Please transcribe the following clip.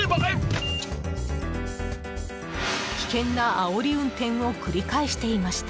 危険なあおり運転を繰り返していました。